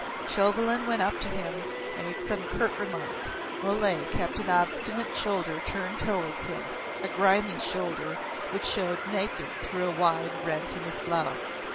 Chauvelin went up to him, made some curt remark. Mole kept an obstinate shoulder turned towards him a grimy shoulder, which showed naked through a wide rent in his blouse.